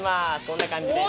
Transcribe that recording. こんな感じで。